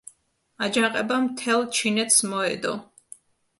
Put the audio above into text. აჯანყება მთელ ჩინეთს მოედო.